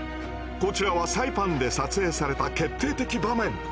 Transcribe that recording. こちらはサイパンで撮影された決定的場面！